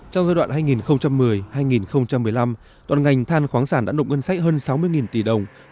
trong giai đoạn hai nghìn một mươi hai nghìn một mươi năm toàn ngành than khoáng sản đã nộp ngân sách hơn sáu mươi tỷ đồng